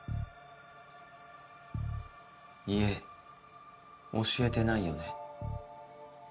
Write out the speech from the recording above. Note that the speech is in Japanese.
家教えてないよね？